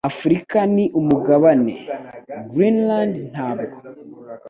Afurika ni umugabane; Greenland ntabwo.